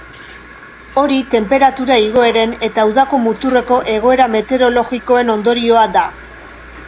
Hori tenperatura igoeren eta udako muturreko egoera meteorologikoen ondorioa da.